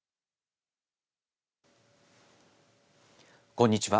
こんにちは。